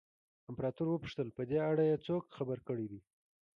امپراتور وپوښتل په دې اړه یې څوک خبر کړي دي.